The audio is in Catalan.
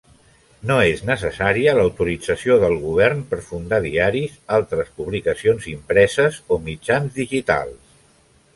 No és necessària l'autorització del govern per fundar diaris, altres publicacions impreses o mitjans digitals.